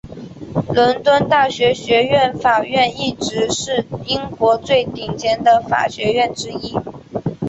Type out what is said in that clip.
伦敦大学学院法学院一直是英国最顶尖的法学院之一。